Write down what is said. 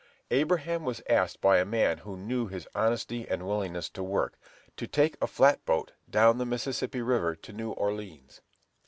Abraham was asked by a man who knew his honesty and willingness to work, to take a flat boat down the Mississippi River to New Orleans.